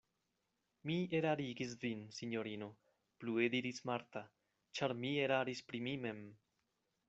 Mi erarigis vin, sinjorino, plue diris Marta, ĉar mi eraris pri mi mem.